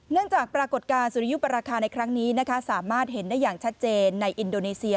จากปรากฏการณ์สุริยุปราคาในครั้งนี้นะคะสามารถเห็นได้อย่างชัดเจนในอินโดนีเซีย